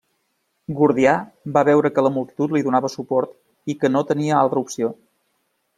Gordià va veure que la multitud li donava suport i que no tenia altra opció.